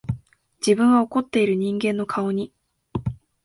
自分は怒っている人間の顔に、